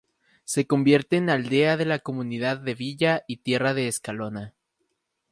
Se convierte en aldea de la Comunidad de Villa y Tierra de Escalona.